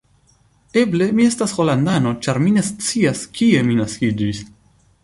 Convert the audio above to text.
Eble mi estas holandano, ĉar mi ne scias, kie mi naskiĝis.